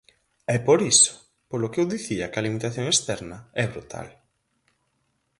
É por iso polo que eu dicía que a limitación externa é brutal.